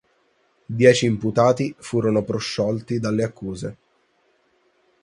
Dieci imputati furono prosciolti dalle accuse.